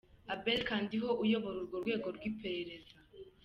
Abel Kandiho uyobora urwo rwego rw’iperereza.